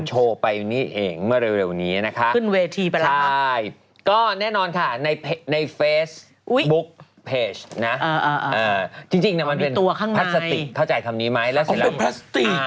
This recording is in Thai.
จริงมันเป็นพลาสติกเข้าใจคำนี้ไหมพลาสติก